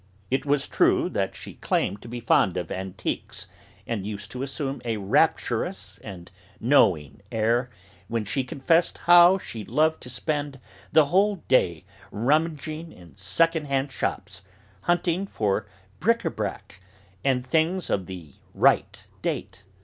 It was true that she claimed to be fond of 'antiques,' and used to assume a rapturous and knowing air when she confessed how she loved to spend the whole day 'rummaging' in second hand shops, hunting for 'bric à brac,' and things of the 'right date.'